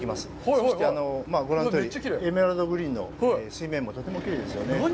そして、ご覧のとおり、エメラルドグリーンの水面も、水面もとてもきれいですよね。